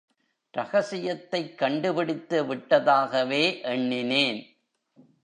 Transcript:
ரகசியத்தைக் கண்டுபிடித்து விட்டதாகவே எண்ணினேன்.